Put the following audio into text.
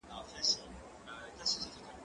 زه اوږده وخت د کتابتون لپاره کار کوم!.